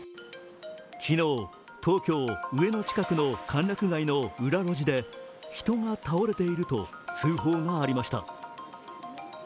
昨日東京・上野近くの歓楽街の裏路地で人が倒れていると通報がありました。